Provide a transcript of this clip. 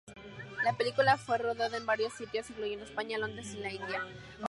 La película fue rodada en varios sitios incluyendo España, Londres y la India.